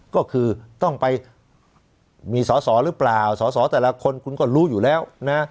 ก็คือต้องไปมีสอสอหรือเปล่าสอสอแต่ละคนคุณก็รู้อยู่แล้วนะ